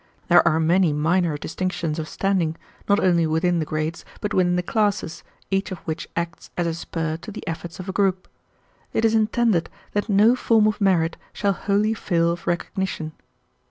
There are many minor distinctions of standing, not only within the grades but within the classes, each of which acts as a spur to the efforts of a group. It is intended that no form of merit shall wholly fail of recognition.